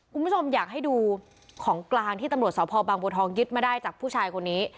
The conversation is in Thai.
คุณผู้ชมอยากให้ดูของกลางที่ตำรวจสพบางบัวทองยึดมาได้จากผู้ชายคนนี้